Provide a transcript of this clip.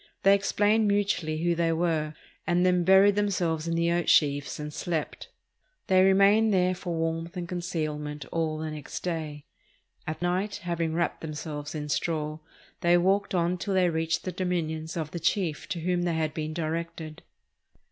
They explained mutually who they were, and then buried themselves in the oat sheaves and slept. They remained there for warmth and concealment all the next day. At night, having wrapped themselves in straw, they walked on till they reached the dominions of the chief to whom they had been directed.